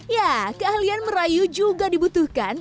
ya keahlian merayu juga dibutuhkan